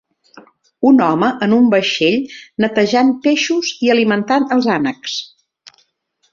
Un home en un vaixell netejant peixos i alimentant els ànecs.